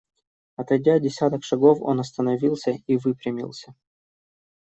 Отойдя десяток шагов, он остановился и выпрямился.